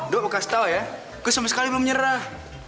duh gue kasih tau ya gue sama sekali belum nyerah